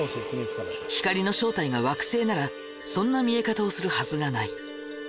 光の正体が惑星ならそんな見え方をするはずがない。